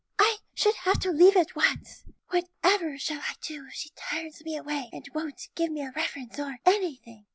I should have to leave at once. Whatever shall I do if she turns me away, and won't give me a reference or anything!"